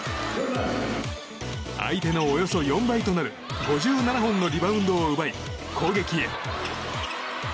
相手のおよそ４倍となる５７本のリバウンドを奪い攻撃へ。